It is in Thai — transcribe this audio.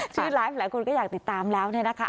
ชื่อไลฟ์หลายคนก็อยากติดตามแล้วเนี่ยนะคะ